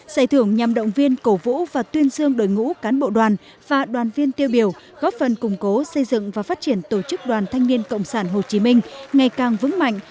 giải thưởng nhằm động viên cổ vũ và tuyên dương đội ngũ cán bộ đoàn và đoàn viên tiêu biểu góp phần củng cố xây dựng và phát triển tổ chức đoàn thanh niên cộng sản hồ chí minh ngày càng vững mạnh